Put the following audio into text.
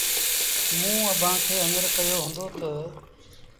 موٚنٚ اڀآنٚ کي هڃر ڪهيو هُݩدو تا